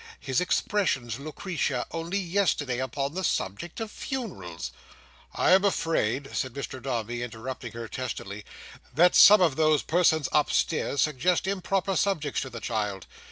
His expressions, Lucretia, only yesterday upon the subject of Funerals!" "I am afraid," said Mr Dombey, interrupting her testily, "that some of those persons upstairs suggest improper subjects to the child.